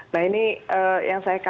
nah ini yang saya katakan